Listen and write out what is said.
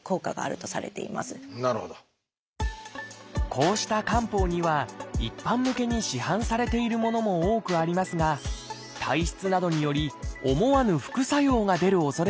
こうした漢方には一般向けに市販されているものも多くありますが体質などにより思わぬ副作用が出るおそれもあります。